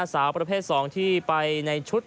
สาวประเภท๒ที่ไปในชุด